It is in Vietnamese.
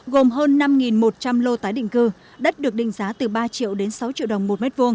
gồm hơn năm một trăm linh lô tái định cư đất được định giá từ ba triệu đến sáu triệu đồng một m hai